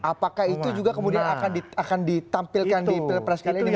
apakah itu juga akan ditampilkan di press kali ini